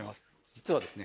実はですね